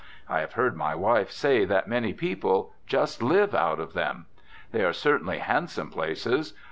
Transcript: I have heard my wife say that many people "just live out of them." They are certainly handsome places.